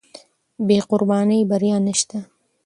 بې قربانۍ بریا نشته.